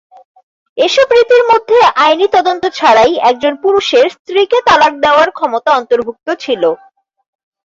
এসব রীতির মধ্যে আইনি তদন্ত ছাড়াই একজন পুরুষের স্ত্রীকে তালাক দেওয়ার ক্ষমতা অন্তর্ভুক্ত ছিল।